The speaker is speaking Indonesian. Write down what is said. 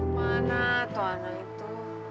mana tuh anak itu